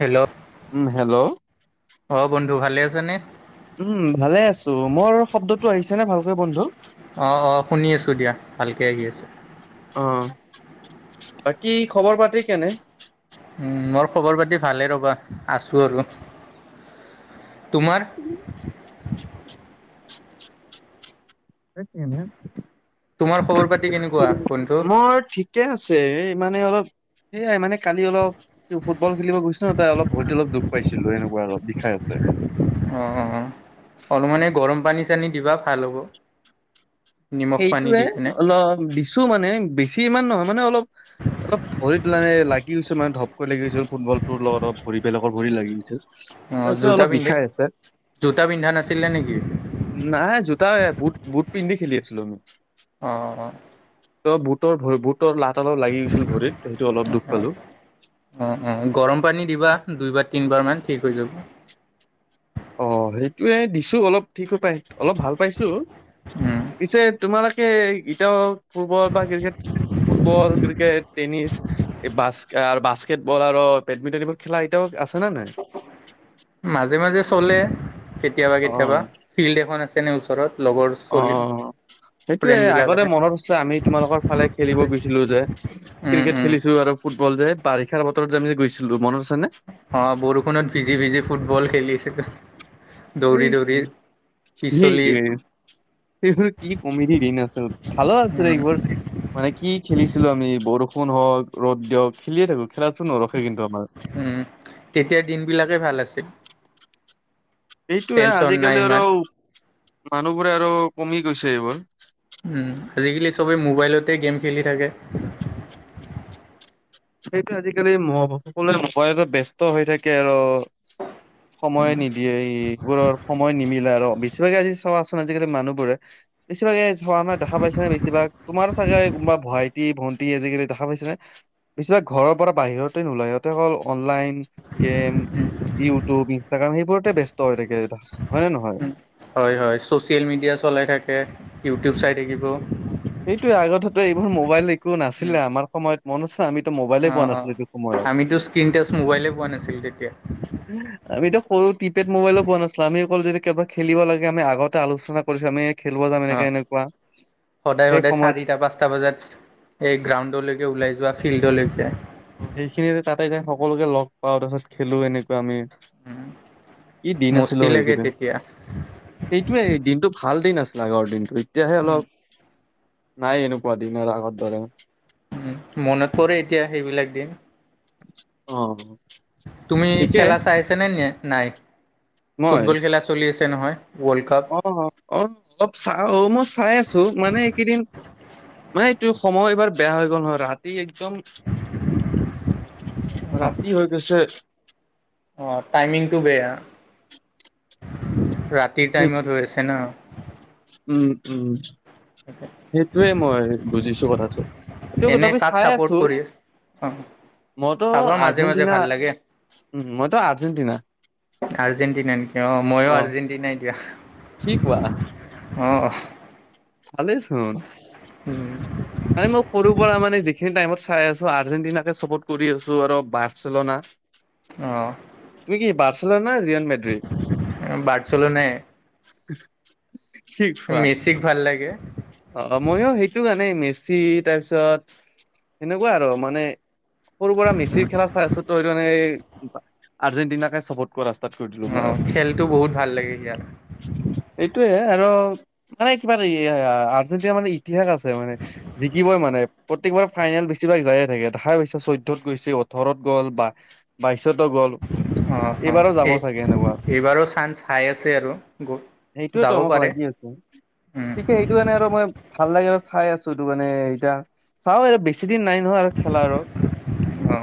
Hello উম hello অঁ বন্ধু ভালে আছানে? উম ভালে আছো। মোৰ শব্দটো আহিছে নে ভালকৈ বন্ধু? অঁ অঁ শুনি আছোঁ দিয়া, ভালকে আহি আছে। অঁ বাকী খবৰ পাতি কেনে? ওম, মোৰ খবৰ পাতি ভালেই ৰ'বা, আছোঁ আৰু। তোমাৰ? [unintelligible] তোমাৰ খবৰ পাতি কেনেকুৱা বন্ধু? বৰ ঠিক- কে আছে। এই মানে অলপ সেয়াই মানে কালি অলপ- ফুটবল খেলিব গৈছোঁ ন' তাত অলপ ভৰিটো অলপ দুখ পাইছিলো এনেকুৱা অলপ বিষাই আছে। অ', অ', অলমানি এই গৰম পানী চানী দিবা ভাল হ'ব। নিমখ পানী সেইটোয়ে দি কিনে। অলপ দিছো মানে বেছি ইমান নহয় মানে অলপ- অলপ ভৰিত লা লাগি গৈছিল মানে ধপকৈ লাগি গৈছিল ফুটবলটোৰ লগত অলপ ভৰি বেলেগৰ ভৰি লাগি গৈছিল। ত' অ', এতিয়া জোতা অলপ পিন্ধে বিষাই আছে জোতা পিন্ধা নাছিলে নেকি? নাই জোতা বুট বুট পিন্ধি খেলি আছিলোঁ আমি। অ'। ত' বুটৰ ভ বুটৰ লাত অলপ লাগি গৈছিল ভৰিত তো অলপ দুখ পালো। অ', অ', গৰম পানী দিবা দুইবাৰ, তিনিবাৰ মান ঠিক হৈ যাব। অ', সেইটোয়ে দিছো অলপ ঠিক হৈ পাই, অলপ ভাল পাইছো। উম পিছে তোমালোকে এতিয়া ফুটবল বা ক্ৰিকেট ফুটবল, ক্ৰিকেট, টেনিছ এই বাসকাৰ বাস্কেটবল আৰু বেডমিণ্টন এইবোৰ খেলা এতিয়াও আছে নে নাই? মাজে মাজে চলে। কেতিয়াবা অ কেতিয়াবা, ফিল্ড এখন আছে ন' ওচৰত লগৰ অ চলীৰ। সেইটোয়ে আগতে মনত আছে আমি তোমালোকৰ ফালে খেলিব গৈছিলো যে, উম ক্ৰিকেট উম খেলিছো আৰু ফুটবল যে বাৰিষাৰ বতৰত যে আমি যে গৈছিলো মনত আছে নে? অ', বৰষুণত ভিজি ভিজি ফুটবল খেলিছিলো। এই দৌৰি কি দৌৰি পিছলি কি এইবোৰ কি কমেডি দিন আছিল, ভালো আছিল উম এইবোৰ। মানে কি খেলিছিলো আমি বৰষুণ হওক, ৰ'দ দিয়ক খেলিয়ে থাকো খেলাচোন নৰখে কিন্তু আমাৰ। উম, তেতিয়া দিনবিলাকে ভাল আছিল। এইটোয়ে টেনচন নাই আজিকালি আৰু ইমান মানুহবোৰে আৰু কমি গৈছে এইবোৰ। উম, আজিকালি চবে মোবাইলতে গেম খেলি থাকে। সেইটোৱে আজিকালি মহ [unintelligible] সকলোৱে মবাইলত ব্যস্ত হৈ থাকে আৰু সময়ে নিদিয়ে এইবোৰৰ সময় নিমিলে আৰু বেছিভাগে আজি চোৱাচোন আজিকালি মানুহবোৰে বেছিভাগ এই চোৱা নাই দেখা পাইছেনে বেছিভাগ তোমাৰো চাগে কোনোবা ভাইটি-ভণ্টি আজিকালি দেখা পাইছে নে? বেছিভাগ ঘৰৰ পৰা বাহিৰতে নোলাই, সিহঁতে অকল অনলাইন গেম ইউটিউব, ইনষ্টাগ্ৰাম সেইবোৰতে ব্যস্ত হৈ থাকে এইটো হয় নে নহয়? উম হয়, হয়, ছচিয়েল মিডিয়া চলাই থাকে, ইউটিউব উম চাই থাকিব। সেইটোয়ে আগতেটো এইবোৰ মোবাইল একো নাছিলে আমাৰ সময়ত মনত আছে আমিতো মোবাইলে অ পোৱা অ নাছিলো এইটো সময়ত। আমিতো স্ক্ৰীণ টাচ মোবাইলে পোৱা নাছিলো তেতিয়া আমিতো সৰু কি পেড মোবাইলো পোৱা নাছিলো আমি অকল [unintelligible] খেলিব লাগে আমি আগতে আলোচনা কৰিছো, আমি খেলিব যাম। এনেকে অ', এনেকুৱা সদায় সেই সদায় সময়ত চাৰিটা পাঁচটা বজাত। এই গ্ৰাউণ্ডলৈকে ওলাই যোৱা ফিল্ডলৈকে। অ', সেইখিনি যে তাতে যে সকলোকে লগ পাওঁ তাৰপিছত খেলো এনেকুৱা আমি। কি দিন আছিল মস্তি অ', লাগে সেইকেদিন। তেতিয়া সেইটোৱে দিনটো ভাল দিন আছিল আগৰ দিনটো এতিয়াহে অলপ। নাই এনেকুৱা দিন আৰু আগৰ দৰে। উম, মনত পৰে এতিয়া সেইবিলাক দিন। অ'। তুমি ঠিকে খেলা চাইছা নে নি নাই? মই ফুটবল খেলা চলি আছে নহয়। World cup. অ অ অলপ চা অ মই চাই আছো মানে এইকেইদিন মানে এইটো সময় এইবাৰ বেয়া হৈ গ'ল নহয় ৰাতি একদম ৰাতি হৈ গৈছে। অঁ টাইমিংটো বেয়া, ৰাতিৰ সেই টাইমত হৈ আছে ন। উম উম। সেইটোৱে মই বুজিছো কথাটো সেইটো এনে তথাপি কাক চাই চাপৰ্ট আছো। কৰি আছ? অ' মইতো চাবা মাজে মাজে আৰ্জেণ্টিনা, ভাল লাগে। উ মইতো আৰ্জেণ্টিনা। আৰ্জেণ্টিনা নেকি অ মইও আৰ্জেণ্টিনা এতিয়া। কি কোৱা অহ ভালেই ছোন। মানে মই সৰুৰ পৰা মানে যিখিনি টাইমত চাই আছো আৰ্জেণ্টিনাকে চপৰ্ট কৰি আছো আৰু বাৰ্চেলোনা। [inaudible] অ', তুমি কি বাৰ্চেলনা ৰিয়ন মেড্ৰিড। বাৰ্চেলোনাই শিক হোৱা। ঠিক ভাল লাগে। অ' মইও সেইটো জানে মেচি তাৰপিছত সেনেকুৱা আৰু মানে সৰু পৰাৰা মেচিৰ খেলা চাই আছো ত সটো আৰ্জেণ্টিনাকে চপৰ্ট ক ৰাস্তাত কৰ অ' খেলটো বহুত ভাল লাগে ইয়াত। এইটোয়ে আৰু মানে কিবা এ আৰ্জেণ্টিনাৰ মানে ইতিহাস আছে মানে। জিকিবই মানে প্ৰত্যেকবাৰ ফাইনেল বেছিভাগ যায়ে থাকে ধাইছ চৈধত গৈছে ওঠৰত গ'ল বা। বাইশতো গ'ল। অ'অ' এইবাৰো যাব এই চাগে এনেকুৱা এইবাৰো চান্স হাই আছে আৰু গল সেইটোয়েতো মই ভয় লাগি আছে ঠিকেই সটো মানে আৰু মই ভাল লাগে আৰু চাই আছো এইটো মানে এয়া চাওঁ বেছি। সিদিন নাই নহয় আৰু খেলা আৰু। অ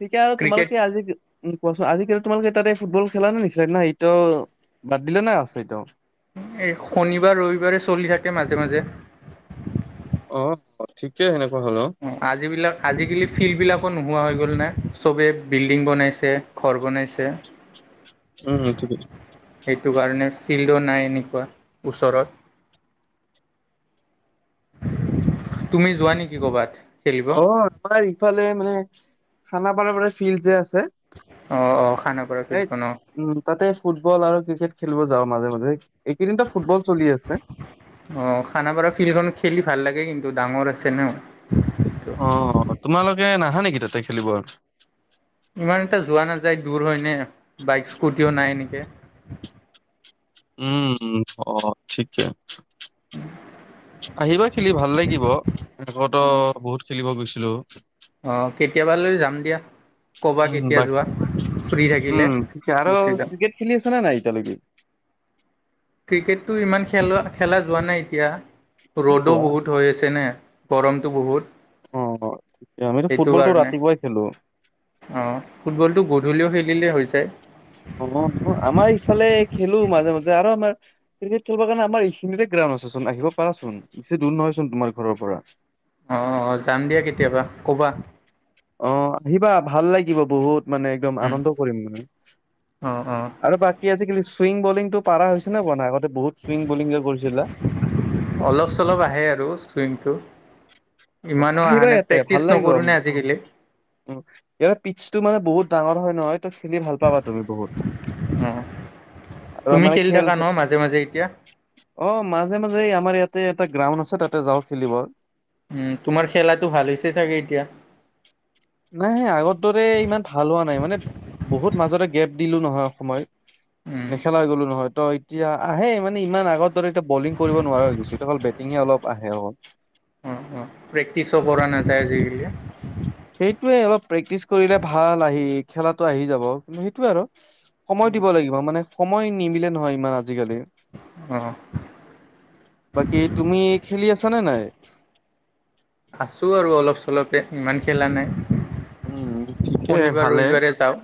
ঠিকে আৰু তোমাল ক্ৰিকেট কি আজি উম, কোৱাচোন আজিকালি তোমালোকে তাতে ফুটবল খেলা নে নিচিনে না এইটো বাদ দিলে নে আছে এইটো। এই শনিবাৰ, ৰবিবাৰে চলি থাকে মাজে, মাজে। অ' ঠিকে সেনেকুৱা হলেও। অ' আজিবিলাক আজিকালি ফিল্ডবিলাকো নোহোৱা হৈ গ'ল ন চবেই বিল্ডিং বনাইছে ঘৰ বনাইছে। উম, ঠিকেই। সেইটো কাৰণে ফিল্ডো নাই এনেকুৱা ওচৰত। তুমি যোৱা নেকি কবাত? অ' আমাৰ ইফালে মানে খানাপাৰাৰ পৰা ফিল্ড যে আছে। অ'অ' খানাপাৰ এই ফিল্ডখন অ' উম, তাতে ফুটবল আৰু ক্ৰিকেট খেলিব যাওঁ মাজে, মাজে এইকেইদিন ফুটবল চলি আছে। অ' খানাপাৰা ফিল্ডখন খেলি ভাল লাগে কিন্তু ডাঙৰ আছে ন। অ' তোমালোকে নাহা নেকি তাতে খেলিব? ইমান এটা যোৱা নাযায় দূৰ হয়নে বাইক স্কুটিও নাই এনেকে। উম, উম অ' ঠিকে। আহিবা খেলি ভাল লাগিব আকতো বহুত খেলিব গৈছিলো। অ' কেতিয়াব লৈ যাম দিয়া। ক'বা উম কেতিয়া বাক যোৱা ফ্ৰী উম থাকিলে ঠিকে আৰু গুচি যাম। ক্ৰিকেট খেলি আছে না নাই এতিয়ালৈকে। ক্ৰিকেটটো ইমান খেলোৱা খেলা যোৱা নাই এতিয়া কি ৰ'দো কোৱা? বহুত হৈ আছেনে। গৰমটো বহুত। অ'অ' আমিতো ফুটবলটো ৰাতিপুৱাই খেলো। অ' ফুটবলটো গধূলিও খেলিলেই হৈ যায়। অ' আমাৰ ইফালে খেলো মাজে, মাজে আৰু আমাৰ ক্ৰিকেট খেলিব কাৰণে আমাৰ এইখিনিতে গ্ৰাউণ্ড আছে চোন আহিব পাৰাচোন বেছি দূৰ নহয় চোন তোমাৰ ঘৰৰ পৰা। অ'অ' যাম দিয়া কেতিয়াবা ক'বা। অ' আহিবা ভাল লাগিব বহুত। মানে একদম উম আনন্দ কৰিম মানে অঁ অঁ আৰু বাক তি আজালি চুইং বলিংটো পাৰা হৈছে নে বানে আগতে বহুত চুইং বলিং যে কৰিছিলা অলপ-চলপ আহে আৰু চুইংটো। ইমানো আহা আহিবা নাই প্ৰেক্টিচ নকৰোঁ নে আজিকালি। উম, ইয়াৰ পিচটো মানে বহুত ডাঙৰ হয় নহয়। ত'খেলি ভাল পাবা তুমি বহুত। অঁ আৰু তুমি মানে খেলি খেল থাকা ন' মাজে, মাজে এতিয়া? অ' মাজে, মাজে এ আমাৰ ইয়াতে এটা গ্ৰাউণ্ড আছে তাতে যাওঁ খেলিব। উম, তোমাৰ খেলাটো ভাল হৈছে চাগৈ এতিয়া? নাই সেই আগৰ দৰে ইমান ভাল হোৱা নাই মানে বহুত মাজতে গেপ দিলোঁ নহয় সময় উম নেখেলা হৈ গ'লো নহয় তই এতিয়া আহে মানে ইমান আগৰ দৰে এতিয়া বলিং কৰিব নোৱাৰা হৈ গৈছোঁ এতিয়া অকল বেটিঙে অলপ আহে অকল। [unintelligible] প্ৰেক্টিচো কৰা নাযায় আজিকালি। সেইটোৱে অলপ প্ৰেক্টিচ কৰিলে ভাল আহি খেলাটো আহি যাব কিন্তু সেইটোৱে আৰু- সময় দিব লাগিব মানে সময় নিমিলে নহয় ইমান আজিকালি। অ', বাকী তুমি খেলি আছা নে নাই? আছোঁ আৰু অলপ চলপে ইমান খেলা নাই। উম ঠিকে শনিবাৰ, ভালে। ৰবিবাৰে যাওঁ।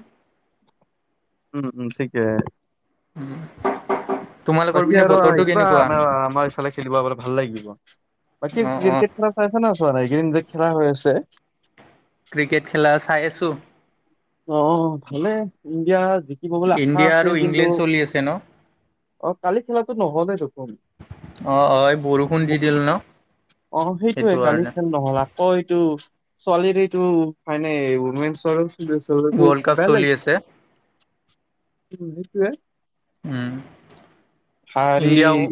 উম, উম ঠিকে। উম, বাকী আৰু আহিবা আমাৰ-আমাৰ ই এইফালে খেলিব [unintelligible] ভাল লাগিব বাকী অ' অ' ক্ৰিকেট খেলা চাইছা নে চোৱা নাই এইকেইদিন যে খেলা হৈ আছে? ক্ৰিকেট খেলা চাই আছোঁ। অ' ভালে ইণ্ডিয়া জিকিব বুলে আশা ইণ্ডিয়া আৰু আছিল কিন্তু ইংলেণ্ড চলি আছে ন? অ' কালি খেলাটো নহলে দেখোন। অ' অ' বৰষুণ দি দিল ন? অ'সেইটোয়ে সেইটো কালি কাৰণে। খেল নহ'লা। ক'এইটো ছোৱালীৰ এইটো [unintelligible] ত' এইটো ৱৰ্ল্ড কাপ বেলেগ চলি আছে। [inaudible] উম, সেইটোৱে। উম, ভাৰি ইণ্ডিয়াও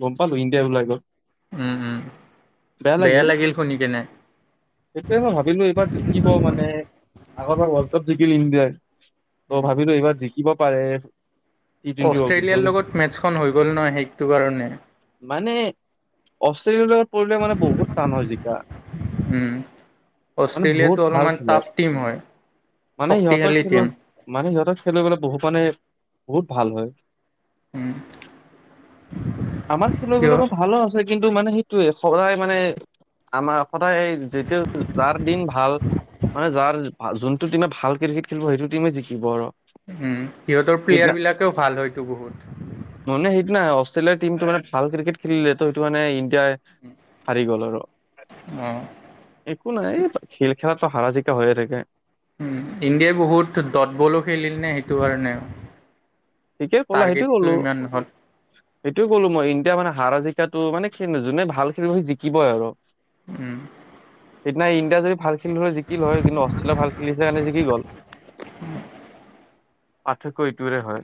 গম পালোঁ ইণ্ডিয়াই ওলাই গ'ল। উম, উম বেয়া লাগিল শুনি কেনে। সেটোয়ে মই ভাবিলোঁ এইবাৰ জিকিব মানে আগৰবাৰ ৱৰ্ল্ড কাপ জিকিল ইণ্ডিয়াই ত' ভাবিলোঁ এইবাৰ জিকিব পাৰে। টি টুৱেণ্টি ৱৰ্ল্ড কাপটো অষ্ট্ৰেলিয়াৰ কিন্তু লগত মেটছখন হৈ গ'ল নহয় সেইটো কাৰণে। মানে অষ্ট্ৰেলিয়াৰ লগত পৰিলে মানে বহুত টান হয় জিকা। উম, মানে বহুত অষ্ট্ৰেলিয়াতো ভাল অলপমান খেলে টাফ টিম হয়। মানে ইহঁতৰ শক্তিশালী টিম। খেলুৱৈ মানে সিহঁতৰ খেলুৱৈ বিলাক গলে বহুত মানে বহুত ভাল হয়। উম, আমাৰ খেলুৱৈ সিহ বিলাকো ভালো আছে কিন্তু মানে সেইটোৱে সগায় মানে আমাৰ সদায় যেতিয়া যাৰ দিন ভাল মানে যাৰ ভাল যোনটো টিমে ভাল ক্ৰিৰকেট খেলিব সেইটো টিমে জিকিব আৰু। উম, সিহঁতৰ সেইদিনা প্লেয়াৰ বিলাকেও ভাল হয়তো বহুত। [unintelligible] মানে সেইদিনা অষ্ট্ৰেলিয়াৰ টিমটো মানে ভাল ক্ৰিকেট খেলিলে তো সেইটো মানে ইণ্ডিয়াই হাৰি গ'ল আৰু। অ', একো নাই [unintelligible] খেল খেলাততো হাৰা জিকা হৈয়ে থাকে। উম, ইণ্ডিয়া বহুত, ডট বলো খেলিল নে, সেইটো কাৰণে? ঠিকে ক'লা, সেইটো টাৰ্গেটটো ক'লো। ইমান হ'ল। এইটোয়ে ক'লো মই। ইণ্ডিয়া মানে, হাৰা-জিকাটো, মানে, যোনে ভাল খেলিব, সি জিকিবই আৰু। উম। সিদিনা, ইণ্ডিয়া যদি ভাল খেলিল হৈ, জিকিল হয়। কিন্তু, অষ্ট্ৰেলিয়া ভাল খেলিছে, কাৰণে জিকি গ'ল। [unintelligible] পাৰ্থক্য এইটোৱে হয়।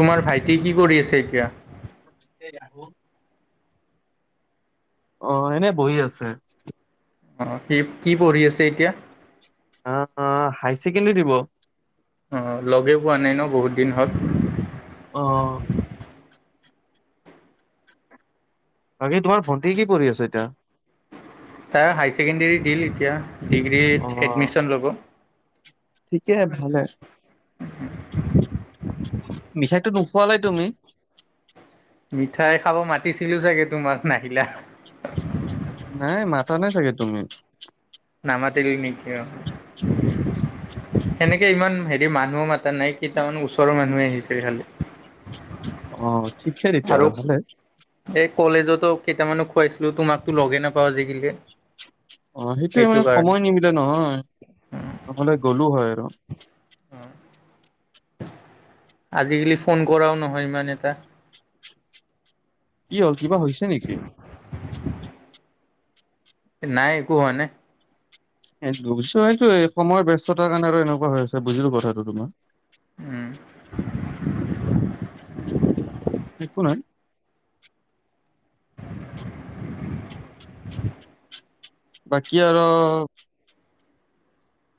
তোমাৰ ভাইটি কি কৰি আছে, এতিয়া? [unintelligible] অ'! এনেই বহি আছে। অ'! সি, কি পঢ়ি আছে এতিয়া? অ' অ'! হাই ছেকেণ্ডাৰী দিব। অ'! লগেই পোৱা নাই ন' বহুত দিন হ'ল। অ'! বাকী, তোমাৰ ভণ্টি কি পঢ়ি আছে, এতিয়া? তাই হাই ছেকেণ্ডাৰী দিল এতিয়া। ডিগ্ৰীত অ', এডমিছন ল'ব। ঠিকে, ভালে। [unintelligible] মিঠাইটো নোখোৱালে, তুমি? মিঠাই খাব মাতিছিলোঁ চাগে, তোমাক? নাহিলা। নাই, মাতা নাই চাগে, তুমি। নামাতিলোঁ নেকি, অ'! সেনেকে ইমান, সেৰি মানুহ মাতা নাই। কেইটামান ওচৰৰ মানুহে, আহিছে খালি। অ'! ঠিকে আৰু তেতিয়াহ'লে, ভালে। এই, কলেজতো কেইটামানো খোৱাইছিলোঁ। তোমাকতো লগে নাপাওঁ, আজিকালি। অ'! সেইটোৱে সেইটো মানে, কাৰণে সময় নিমিলে নহয়। নহ'লে, গ'লো হয় আৰু। অ'! [inaudible] আজিকালি, ফোন কৰাও নহয়, ইমান এটা। কি হ'ল, কিবা হৈছে নেকি? [unintelligible] নাই, একো হোৱা নাই। এই, বুজিছো এইটোৱেই! সময়ৰ ব্যস্ততাৰ কাৰণে, আৰু এনেকুৱা হৈ আছে, বুজিলোঁ কথাটো তোমাৰ। উম, [unintelligible] কোন হয়? বাকী আৰু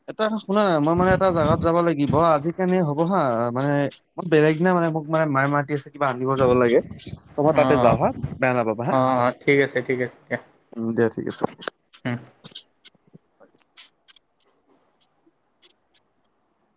এটা শুনা, মই মানে, এটা জাগাত যাব লাগিব, আজিকাৰণে হ'ব। হা, মানে, মই বেলেগ দিনা মানে, মোক মায়ে, মায়ে মাতি আছে। কিবা আনিব যাব‌ লাগে। হ'ব অ তাতে যাওঁ হা, বেয়া নাপাবা হা! অ অ ঠিক আছে উম, দিয়া ঠিক আছে। উম।